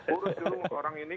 urus dulu orang ini